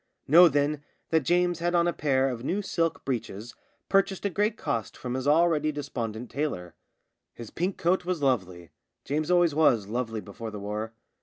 Know then that James had on a pair of 7 o JAMES AND THE LAND MINE 71 new silk breeches purchased at great cost from his already despondent tailor. His pink coat was lovely — James always was lovely before the war.